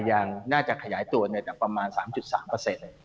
ยังน่าจะขยายตัวโดยแต่ประมาณ๓๓เปอร์เซ็นต์